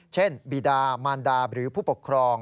บีดามานดาหรือผู้ปกครอง